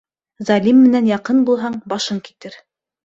Залим менән яҡын булһаң, башың китер.